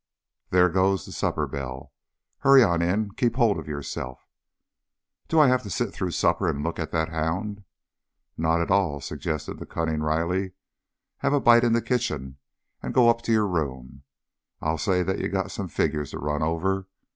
There goes the supper bell. Hurry on in. Keep hold on yourself." "Do I have to sit through supper and look at that hound?" "Not at all," suggested the cunning Riley. "Have a bite in the kitchen and go up to your room. I'll say that you got some figures to run over.